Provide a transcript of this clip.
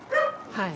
はい。